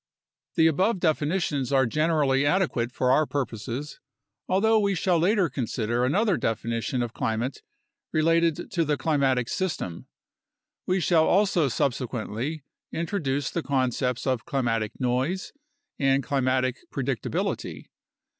The above definitions are generally adequate for our pur poses, although we shall later consider another definition of climate related to the climatic system. We shall also subsequently introduce the concepts of climatic noise and climatic predictability.